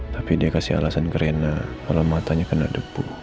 tapi dia kasih alasan ke rena kalau matanya kena debu